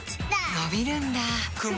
のびるんだ